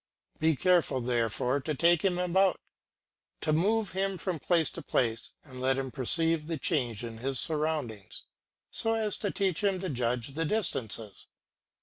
Be careful, therefore, to take him about, to move him from place to place, and to let him perceive the change in his surroundings, so as to teach him to judge of distances.